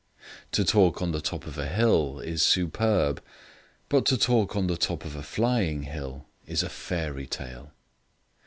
To talk on the top of a hill is superb, but to talk on the top of a flying hill is a fairy tale.